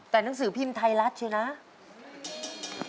แต่หนังสือพิมฯไทยลักษณ์ใช่ไหม